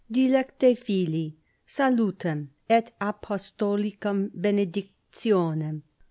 Dilecte fill, salutem et apostolicam benedictionem.